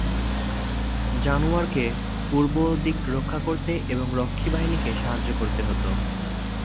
জানুয়ারকে পূর্ব দিক রক্ষা করতে এবং রক্ষীবাহিনীকে সাহায্য করতে হতো।